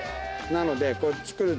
なので。